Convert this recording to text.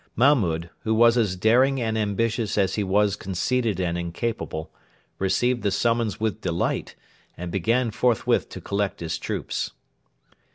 Mahmud, who was as daring and ambitious as he was conceited and incapable, received the summons with delight, and began forthwith to collect his troops.